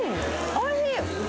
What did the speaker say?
おいしい！